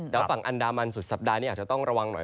แล้วฝั่งอันดามันสุดสัปดาห์นี้อาจจะต้องระวังหน่อย